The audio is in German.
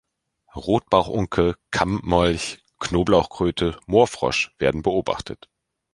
Rotbauchunke, Kammmolch, Knoblauchkröte, Moorfrosch werden beobachtet.